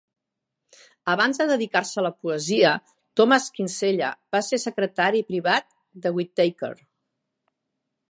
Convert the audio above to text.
Abans de dedicar-se a la poesia, Thomas Kinsella va ser secretari privat de Whitaker.